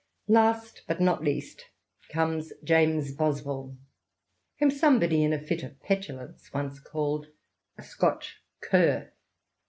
xxiii Last, but not least, comes James Boswell, whom somebody, in a fit of petulance, once~ca1ied *^^eotch cur.